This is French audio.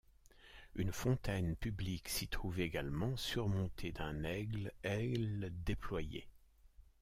Une fontaine publique s'y trouve également, surmontée d'un aigle, ailes déployées.